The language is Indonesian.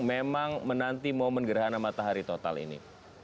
memang menanti momen gerhana matahari total ini